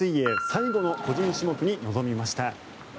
最後の個人種目に臨みました。